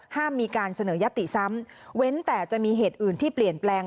มีการเสนอยัตติซ้ำเว้นแต่จะมีเหตุอื่นที่เปลี่ยนแปลง